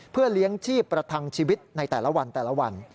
เพื่อเลี้ยงชีพประทังชีวิตในแต่ละวันแต่ละวัน